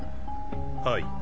はい。